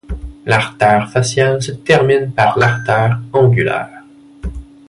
L'artère faciale se termine par l'artère angulaire.